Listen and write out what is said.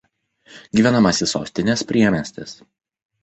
Gyvenamasis sostinės priemiestis.